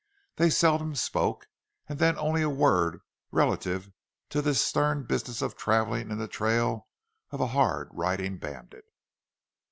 They seldom spoke, and then only a word relative to this stern business of traveling in the trail of a hard riding bandit.